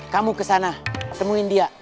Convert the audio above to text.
kamu kesana temuin dia